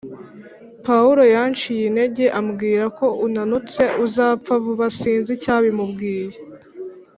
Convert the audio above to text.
paul yanciye intege, ambwira ko unanutse, uzapfa vuba sinzi icyabimubwiye